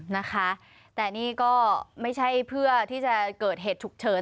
นะคะแต่นี่ก็ไม่ใช่เพื่อที่จะเกิดเหตุฉุกเฉิน